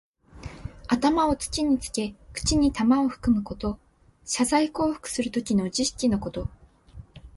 頭を土につけ、口に玉をふくむこと。謝罪降伏するときの儀式のこと。